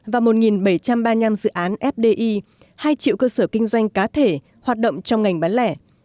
và một bảy trăm ba mươi năm dự án fdi hai triệu cơ sở kinh doanh cá thể hoạt động trong ngành bán lẻ